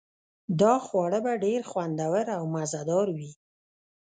دا خواړه به ډیر خوندور او مزه دار وي